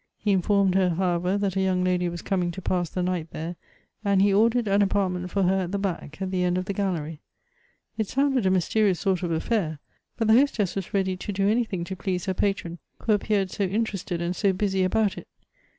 He in formed her, however, that a young lady was coming to pass the night there, and he ordered an apartment for her at the back, at the end of the gallery. It sounded a mysterious sort of affair ; but the hostess was ready to do anything to please her patron, who appeared so interested and so busy about it.